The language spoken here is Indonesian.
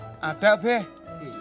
gak tau yang pilots gitu ini